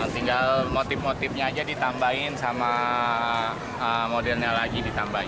tinggal motif motifnya aja ditambahin sama modelnya lagi ditambahin